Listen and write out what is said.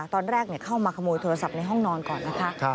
ตอนแรกเข้ามาขโมยโทรศัพท์ในห้องนอนก่อนนะคะ